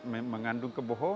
membicara sesuatu yang tidak perlu